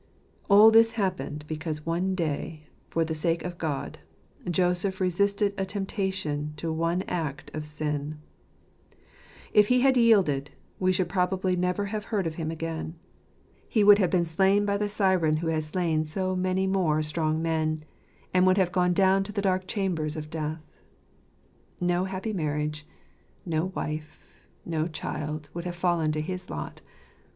All this happened because one day, for the sake of God, Joseph resisted a temptation to one act of sin. If he had yielded, we should probably never have heard of him again; he would have been slain by the the siren who has slain so 75 ffojscplr attir Jtaus. many more strong men, and would have gone down to the dark chambers of death. No happy marriage, no wife, no child, would have fallen to his lot.